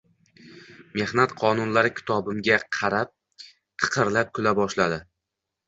“Mehnat qonunlari” kitobimga qarab qiqirlab kula boshladi